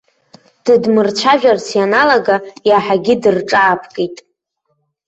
Дыдмырцәажәарц ианалага, иаҳагьы дырҿаапкит.